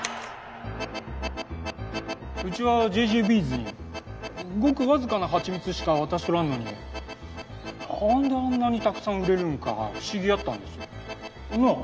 うちはＪＧＶｓにごくわずかな蜂蜜しか渡しとらんのに何であんなにたくさん売れるんか不思議やったんですよ。なあ？